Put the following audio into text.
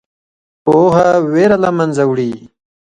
پوهه ویره له منځه وړي.